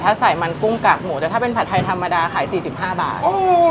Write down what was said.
ถ้าใส่มันกุ้งกากหมูแต่ถ้าเป็นผัดไทยธรรมดาขาย๔๕บาท